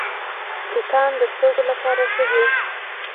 توتان د سترګو لپاره ښه دي.